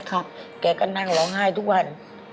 แกก็นั่งร้องไห้ทุกวัน